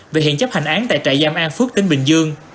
về hiện chấp hành án tại trại giam an phước tỉnh bình dương